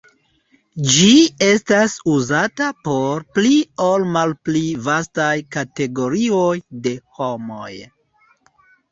Ĝi estas uzata por pli aŭ malpli vastaj kategorioj de homoj.